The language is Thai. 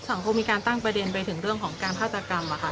สังคมมีการตั้งประเด็นไปถึงเรื่องของการฆาตกรรมอะค่ะ